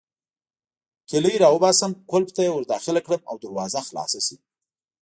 کیلۍ راوباسم، قلف ته يې ورداخله کړم او دروازه خلاصه شي.